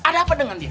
ada apa dengan dia